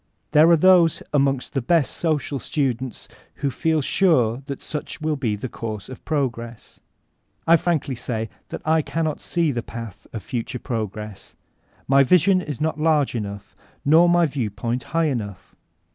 There are those aaxHug tfie best social students who feel sure that such will be the course of progress* I frankly say that I cannot see the path of future p rog res s,— my vision is not large enough, nor my view point high enough.